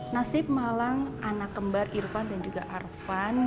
nasib malang anak kembar irfan dan juga arfan